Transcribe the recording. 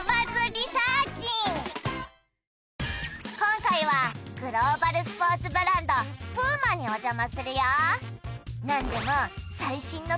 今回はグローバルスポーツブランドプーマにお邪魔するよ